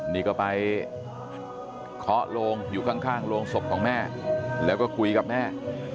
นี่ก็ไปเคาะโลงอยู่ข้างโรงศพของแม่แล้วก็คุยกับแม่